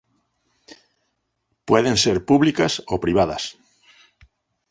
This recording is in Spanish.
Pueden ser públicas o privadas.